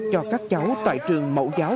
cho các cháu tại trường mẫu giáo